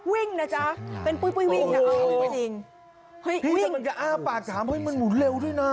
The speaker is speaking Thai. วิ่งนะจ๊ะเป็นปุ้ยวิ่งจริงวิ่งพี่จะมันจะอ้าปากถามเฮ้ยมันหมุนเร็วด้วยน่ะ